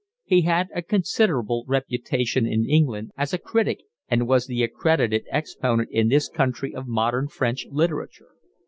He had a considerable reputation in England as a critic and was the accredited exponent in this country of modern French literature.